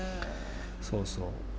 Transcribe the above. そうそう。